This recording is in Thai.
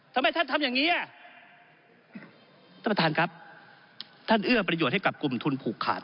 ทำไมท่านทำอย่างนี้อ่ะท่านประธานครับท่านเอื้อประโยชน์ให้กับกลุ่มทุนผูกขาด